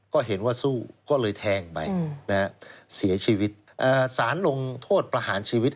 ก็เห็นว่าสู้ก็เลยแทงไปนะฮะเสียชีวิตสารลงโทษประหารชีวิต